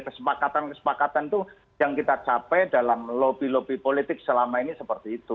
kesepakatan kesepakatan itu yang kita capai dalam lobby lobby politik selama ini seperti itu